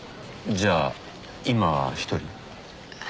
じゃあ今は一人？